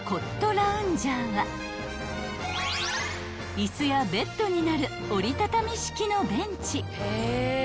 ［椅子やベッドになる折り畳み式のベンチ］